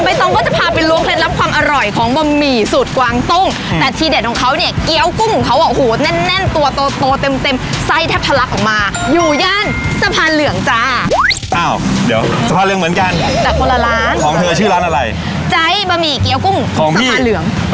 ต้องก็จะพาไปล้วงเคล็ดลับความอร่อยของบะหมี่สูตรกวางตุ้งแต่ทีเด็ดของเขาเนี่ยเกี้ยวกุ้งของเขาอ่ะโอ้โหแน่นแน่นตัวโตโตเต็มเต็มไส้แทบทะลักออกมาอยู่ย่านสะพานเหลืองจ้าอ้าวเดี๋ยวสะพานเหลืองเหมือนกันแต่คนละร้านของเธอชื่อร้านอะไรใจบะหมี่เกี้ยวกุ้งของสะพานเหลือง